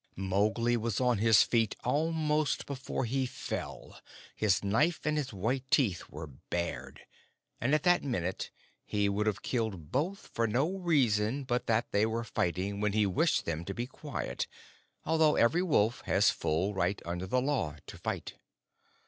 Mowgli was on his feet almost before he fell, his knife and his white teeth were bared, and at that minute he would have killed both for no reason but that they were fighting when he wished them to be quiet, although every wolf has full right under the Law to fight.